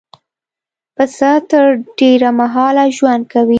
پسه تر ډېره مهاله ژوند کوي.